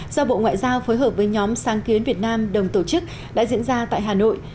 do bộ ngoại giao phối hợp với nhóm sáng kiến việt nam đồng tổ chức đã diễn ra tại hà nội